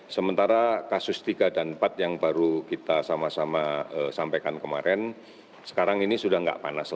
sementara kasus tiga dan empat yang baru kita sama sama sampaikan kemarin sekarang ini sudah tidak panas